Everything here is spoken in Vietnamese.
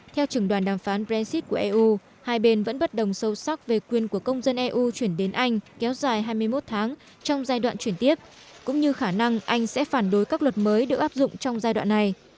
theo trưởng đoàn đàm phán brexit của eu hai bên vẫn bất đồng sâu sắc về quyền của công dân eu chuyển đến anh kéo dài hai mươi một tháng trong giai đoạn chuyển tiếp cũng như khả năng anh sẽ phản đối các luật mới được áp dụng trong giai đoạn này